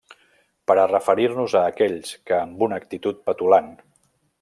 Per a referir-nos a aquells que, amb una actitud petulant.